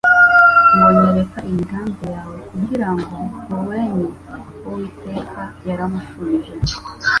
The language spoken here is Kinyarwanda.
ngo "Nyereka imigambi yawe kugira ngo nkuruenye." Uwiteka yaramushubije